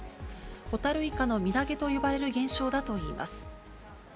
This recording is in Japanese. ホタルイカの身投げと呼ばれる現象だといいます。